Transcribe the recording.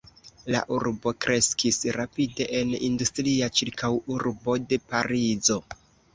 La urbo kreskis rapide en industria ĉirkaŭurbo de Parizo.